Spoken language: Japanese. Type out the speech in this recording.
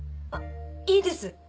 いいです！